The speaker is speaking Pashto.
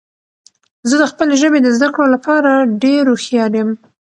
زه د خپلې ژبې د زده کړو لپاره ډیر هوښیار یم.